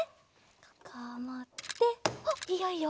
ここをもっておっいいよいいよ。